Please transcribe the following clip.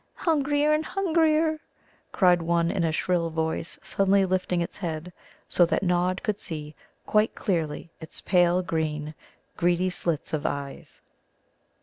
"Hungrier and hungrier," cried one in a shrill voice, suddenly lifting its head, so that Nod could see quite clearly its pale green, greedy slits of eyes.